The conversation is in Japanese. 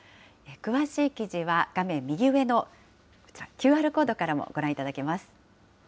詳しい記事は画面右上のこちら、ＱＲコードからもご覧いただけます。